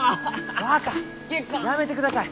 若やめてください！